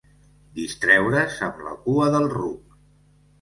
Distreure's amb la cua del ruc.